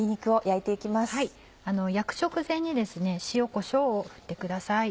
焼く直前に塩こしょうを振ってください。